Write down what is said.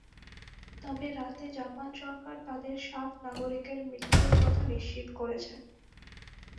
তবে রাতে জাপান সরকার তাদের সাত নাগরিকের মৃত্যুর কথা নিশ্চিত করেছে।